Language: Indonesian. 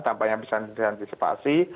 dampaknya bisa diantisipasi